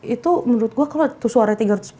itu menurut gue kalau itu suaranya tiga ratus sepuluh